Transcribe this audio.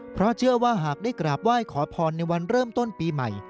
เพราะเชื่อว่าหากได้กราบไหว้ขอพรในวันเริ่มต้นปีใหม่